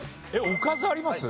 おかずあります？